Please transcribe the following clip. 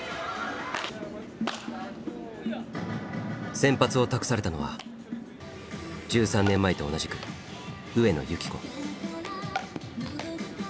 先発を託されたのは１３年前と同じく上野由岐子。